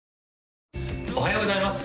おはようございます